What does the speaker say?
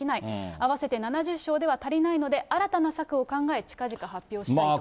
合わせて７０床では足りないので、新たな策を考え、近々発表したいと。